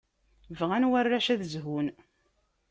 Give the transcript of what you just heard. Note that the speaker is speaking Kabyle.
Bɣan warrac ad zhun.